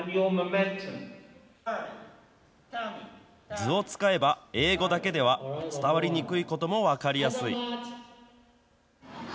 図を使えば、英語だけでは伝わりにくいことも分かりやすい。